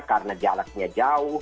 karena jalaknya jauh